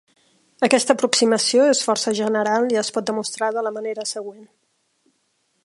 Aquesta aproximació és força general i es pot demostrar de la manera següent.